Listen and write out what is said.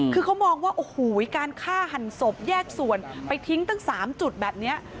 คือเขามองว่าโอ้โหการฆ่าหันศพแยกส่วนไปทิ้งตั้ง๓จุดแบบนี้